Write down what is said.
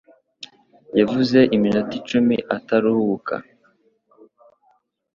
Yavuze iminota icumi ataruhuka.